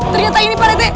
ternyata ini pak retik